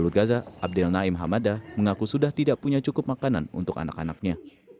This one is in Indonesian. di gaza abdel naim hamada mengaku sudah tidak punya cukup makanan untuk anak anaknya